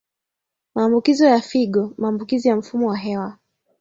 Maambukizi ya figo Maambukizi ya mfumo wa hewa